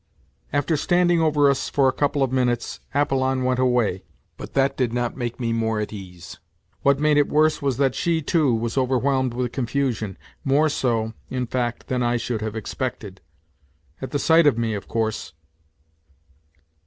After standing over us for a couple of minutes Apollon went away, but that did not make me more at ease. What made it worse was that she, too, was overwhelmed with confusion, more so, in fact, than I should have expected. At the sight of me, of course.